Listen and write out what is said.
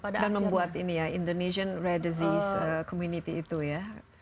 dan membuat indonesian rare disease community itu ya